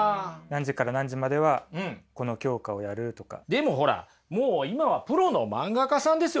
でもほらもう今はプロの漫画家さんですよ